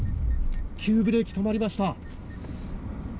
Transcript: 急ブレーキ、止まりました。